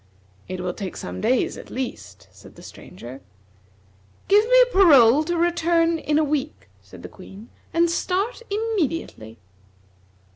"It will take some days, at least," said the Stranger. "Give me your parole to return in a week," said the Queen, "and start immediately."